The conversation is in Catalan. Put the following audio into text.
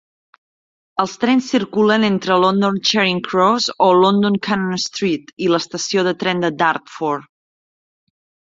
Els trens circulen entre London Charing Cross o London Cannon Street i l'estació de tren de Dartford.